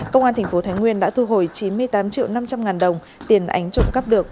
công an tp thái nguyên đã thu hồi chín mươi tám triệu năm trăm linh ngàn đồng tiền ánh trộm cắp được